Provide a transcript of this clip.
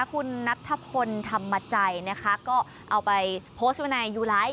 แล้วคุณนัททัพคนทำมาใจนะคะก็เอาไปโพสต์ไว้ในยูไลท์